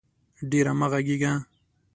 ډېر مه غږېږه